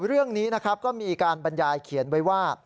เรื่องนี้นะครับก็มีการบรรยายเขียนไว้ว่า